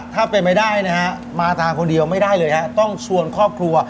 ถ้าเป็นไปได้นะฮะมาตาคนเดียวไม่ได้เลยฮะต้องชวนครอบครัว